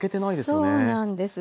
そうなんです。